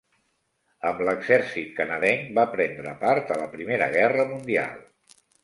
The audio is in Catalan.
Amb l'exèrcit canadenc va prendre part a la Primera Guerra Mundial.